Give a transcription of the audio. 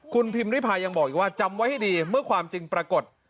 คุณพิมพิพายยังบอกอีกว่าจำไว้ให้ดีเมื่อความจริงปรากฏ